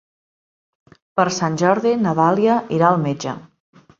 Per Sant Jordi na Dàlia irà al metge.